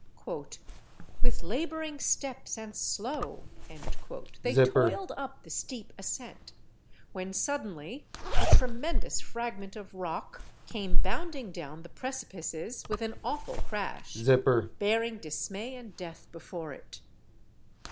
"With labouring steps and slow," they toiled up the steep ascent, when suddenly a tremendous fragment of rock came bounding down the precipices with an awful crash, bearing dismay and death before it.